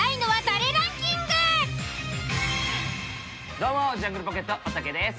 どうもジャングルポケットおたけです。